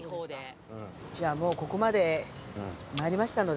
じゃあもうここまで参りましたので。